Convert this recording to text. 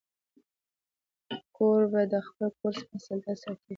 کوربه د خپل کور سپېڅلتیا ساتي.